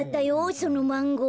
そのマンゴー。